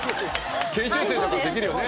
研修生だからできるよね。